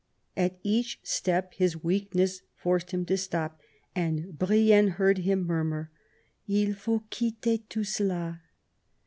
At each step his weakness forced him to stop, and Brienne heard him murmur, "II faut quitter tout cela."